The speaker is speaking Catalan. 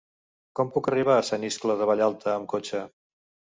Com puc arribar a Sant Iscle de Vallalta amb cotxe?